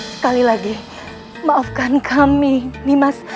sekali lagi maafkan kami nih mas